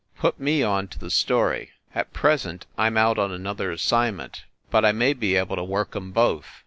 Put me onto the story. At present I m out on another assignment, but I may be able to work em both.